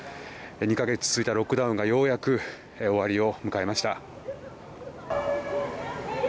２か月続いたロックダウンがようやく終わりを告げました。